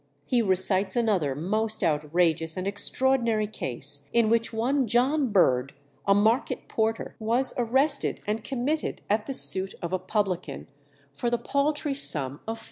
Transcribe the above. He recites another most outrageous and extraordinary case, in which one John Bird, a market porter, was arrested and committed at the suit of a publican for the paltry sum of 4_d.